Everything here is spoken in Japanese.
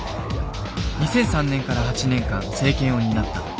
２００３年から８年間政権を担った。